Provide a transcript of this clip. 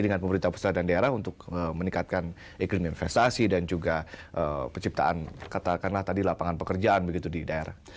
dengan pemerintah pusat dan daerah untuk meningkatkan iklim investasi dan juga penciptaan katakanlah tadi lapangan pekerjaan begitu di daerah